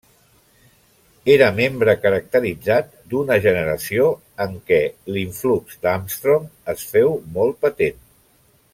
Era membre caracteritzat d'una generació en què l'influx d'Armstrong es féu molt patent.